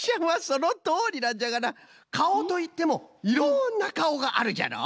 そのとおりなんじゃがなかおといってもいろんなかおがあるじゃろ。